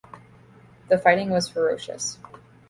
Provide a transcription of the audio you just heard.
The fighting was ferocious.